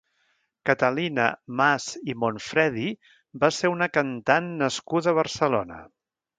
Catalina Mas i Monfredi va ser una cantant nascuda a Barcelona.